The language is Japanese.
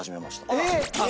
えっ！